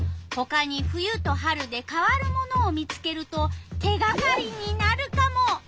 ほかに冬と春で変わるものを見つけると手がかりになるカモ。